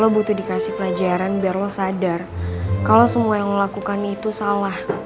lo butuh dikasih pelajaran biar lo sadar kalau semua yang melakukan itu salah